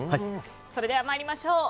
それでは参りましょう。